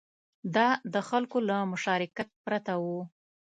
دا د خلکو له مشارکت پرته و